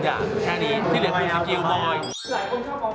แค่นี้ที่เหลือคุณสิกิวบ่อย